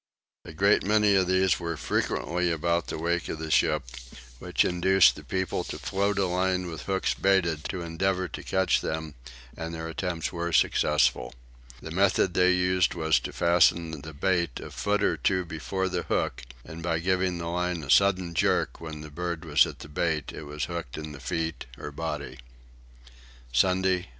A great many of these were frequently about the wake of the ship, which induced the people to float a line with hooks baited to endeavour to catch them and their attempts were successful. The method they used was to fasten the bait a foot or two before the hook and, by giving the line a sudden jerk when the bird was at the bait, it was hooked in the feet or body. Sunday 6.